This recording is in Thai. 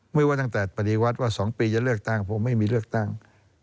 ไม่ว่าตั้งแต่ปฏิวัติว่า๒ปีจะเลือกตั้งผมไม่มีเลือกตั้ง